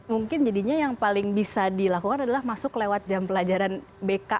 mungkin jadinya yang paling bisa dilakukan adalah masuk lewat jam pelajaran bk